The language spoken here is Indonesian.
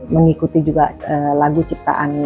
mengikuti juga lagu ciptaan